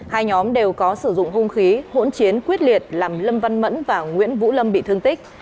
hai nhóm đều có sử dụng hung khí hỗn chiến quyết liệt làm lâm văn mẫn và nguyễn vũ lâm bị thương tích